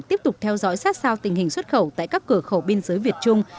tiếp tục theo dõi sát sao tình hình xuất khẩu tại các cửa khẩu biên giới việt trung